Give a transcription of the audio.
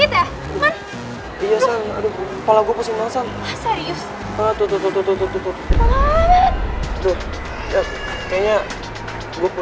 nanti lo masuk angin loh kalo hujan hujanan terus nggak makan dulu